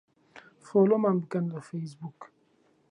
فۆلۆومان بکەن لە فەیسبووک.